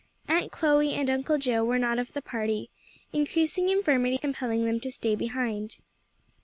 Aunt Chloe and Uncle Joe were not of the party, increasing infirmities compelling them to stay behind.